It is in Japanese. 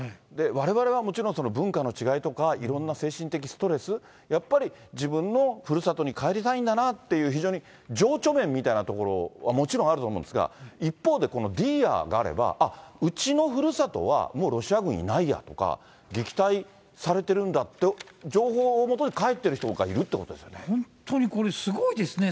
われわれはもちろん文化の違いとか、いろんな精神的ストレス、やっぱり、自分のふるさとに帰りたいんだなっていう、非常に情緒面みたいなところ、もちろんあると思うんですが、一方でこのディーアがあれば、あっ、うちのふるさとはもうロシア軍いないやとか、撃退されてるんだって情報をもとに帰っている人がいるってことで本当にこれ、すごいですね。